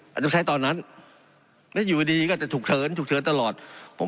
อาจจะไปใช้ตอนนั้นและอยู่ดีก็จะฉุกเฉินฉุกเฉินตลอด